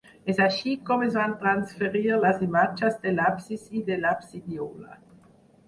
És així com es van transferir les imatges de l'absis i de l'absidiola.